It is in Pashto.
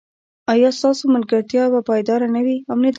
ایا ستاسو ملګرتیا به پایداره نه وي؟